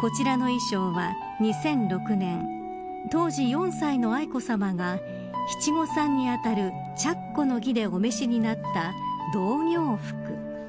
こちらの衣装は２００６年当時４歳の愛子さまが七五三にあたる着袴の儀でお召しになった童形服。